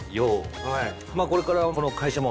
まあこれからこの会社も。